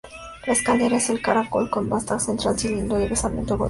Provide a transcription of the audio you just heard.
La escalera es de caracol con vástago central cilíndrico de basamento gótico.